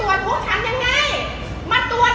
หมอหาแยวมาตรวจคนไข้เอาเงินมารักษาคนไข้